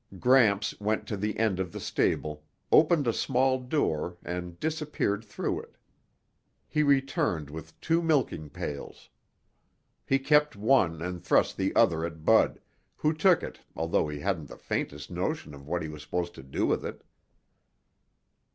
Gramps went to the end of the stable, opened a small door and disappeared through it. He returned with two milking pails. He kept one and thrust the other at Bud, who took it although he hadn't the faintest notion of what he was supposed to do with it.